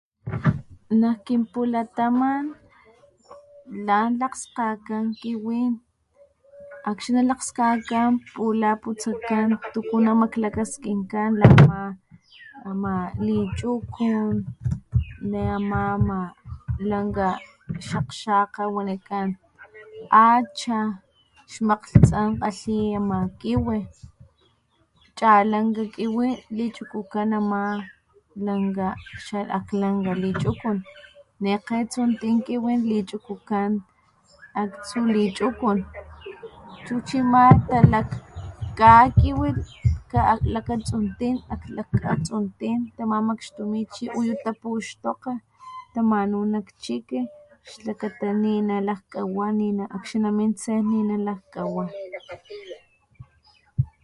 Nak kinpulataman lan lakgskakgan kiwin, akxni lakgskakgan pula putsakan tuku namaklakaskinkan la ama, ama lichukun ne ama, ama lanka xakgxakga wanikan acha xmakglhtsan kgalhi ama kiwi, chalanka kiwi lichukukan ama lanka xa'aklanka lichukun nekgetsuntin kiwin lichukukan aktsu lichukun chu chima talajka kiwi lakatsuntin, ak katsuntin tamamakxtumi chi uyu tapuxtokga tamanu nak chiki xlakata ninalajkawa nina akxni manin sen ninalajkawa.